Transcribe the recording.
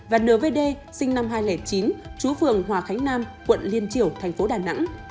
và nvd sinh năm hai nghìn chín trú phường hòa khánh nam quận liên triều thành phố đà nẵng